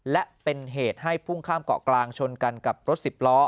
และเป็นเหตุให้พุ่งข้ามเกาะกลางชนกันกับรถสิบล้อ